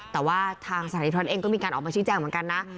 แต่ว่าทางสถานีทรเองก็มีการออกมาชี้แจงเหมือนกันนะ